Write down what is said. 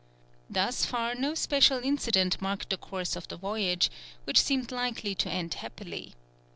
Thus far no special incident marked the course of the voyage, which seemed likely to end happily.